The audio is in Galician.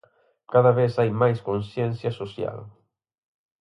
Cada vez hai máis conciencia social.